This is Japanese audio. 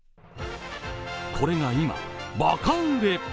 これが今、ばか売れ。